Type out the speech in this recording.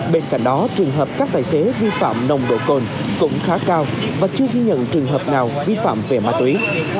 bên cạnh đó trường hợp các tài xế vi phạm nồng độ cồn cũng khá cao và chưa ghi nhận trường hợp nào vi phạm về ma túy